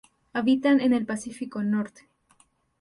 Habitan en el Pacífico Norte.